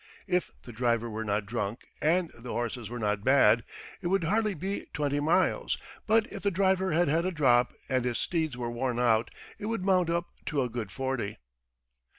(If the driver were not drunk and the horses were not bad, it would hardly be twenty miles, but if the driver had had a drop and his steeds were worn out it would mount up to a good forty.)